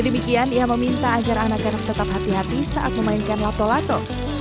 demikian ia meminta agar anak anak tetap hati hati saat memainkan lato lato